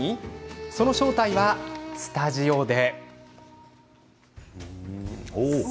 その正体はスタジオで。